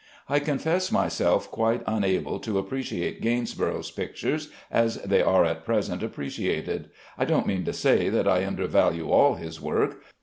I confess myself quite unable to appreciate Gainsborough's pictures as they are at present appreciated. I don't mean to say that I undervalue all his work.